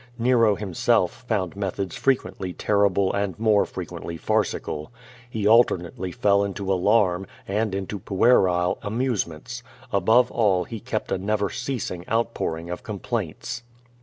Nero, himself, found methods frequently terrible and more frequently farcical. He alternately fell into alarm, and into puerile amusements. Above all he kept up a never ceasing out pouring of complaints.